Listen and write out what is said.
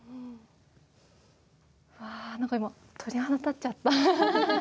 わあ何か今鳥肌立っちゃった。